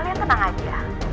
saya akan menangkan kalian